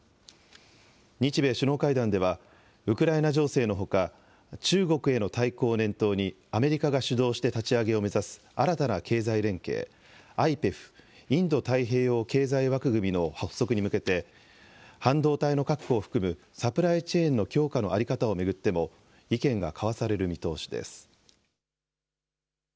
日米首脳会談ではウクライナ情勢のほか中国への対抗を念頭にアメリカが主導して立ち上げを目指す新たな経済連携、ＩＰＥＦ・インド太平洋経済枠組みの発足に向けて半導体の確保を含むサプライチェーンの強化の在り方を巡っても意見が交わされる見通しです。